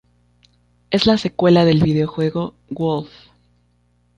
Es la secuela del videojuego "Wolf".